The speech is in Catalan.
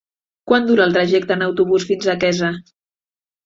Quant dura el trajecte en autobús fins a Quesa?